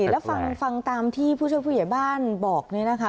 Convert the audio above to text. แล้วฟังตามที่ผู้ช่วยผู้ใหญ่บ้านบอกเนี่ยนะคะ